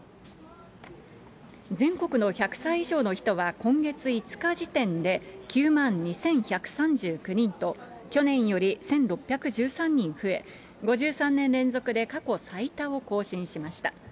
全国の１００歳以上の人は、今月５日時点で９万２１３９人と、去年より１６１３人増え、５３年連続で過去最多を更新しました。